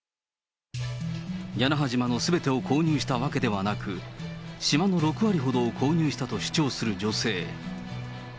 屋那覇島のすべてを購入したわけではなく、島の６割ほどを購入したと主張する女性。